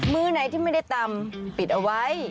มือไหนที่ไม่ได้ตำปิดเอาไว้